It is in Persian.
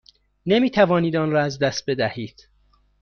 نمی توانید آن را از دست بدهید.